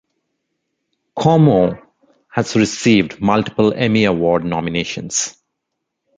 Cuomo has received multiple Emmy Award nominations.